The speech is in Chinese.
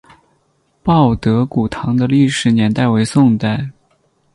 报德古堂的历史年代为宋代。